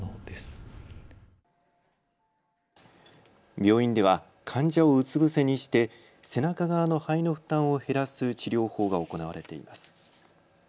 病院では患者をうつ伏せにして背中側の肺の負担を減らす治療法が行われています。